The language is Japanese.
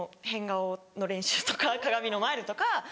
変顔の練習とか鏡の前でとか。